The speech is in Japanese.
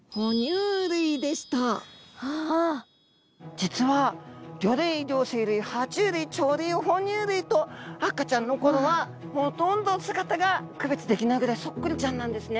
実は魚類両生類は虫類鳥類哺乳類と赤ちゃんの頃はほとんど姿が区別できないぐらいそっくりちゃんなんですね。